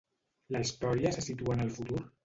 La història se situa en el futur?